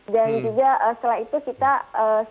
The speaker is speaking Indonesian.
dan juga setelah itu kita selesai